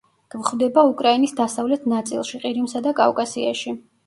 გვხვდება უკრაინის დასავლეთ ნაწილში, ყირიმსა და კავკასიაში.